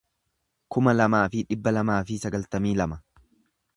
kuma lamaa fi dhibba lamaa fi sagaltamii lama